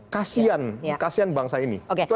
kasian kasian bangsa ini